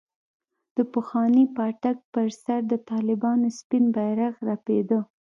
د پخواني پاټک پر سر د طالبانو سپين بيرغ رپېده.